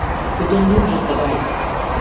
Тудын лӱмжӧ тыгай